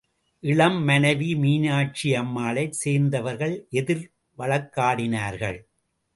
இளம் மனைவி மீனாட்சியம்மாளைச் சேர்ந்தவர்கள் எதிர் வழக்காடினார்கள்.